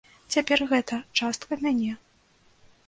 Цяпер гэта частка мяне.